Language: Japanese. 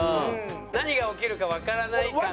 何が起きるかわからない感がね。